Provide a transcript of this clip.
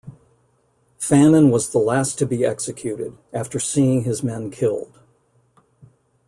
Fannin was the last to be executed, after seeing his men killed.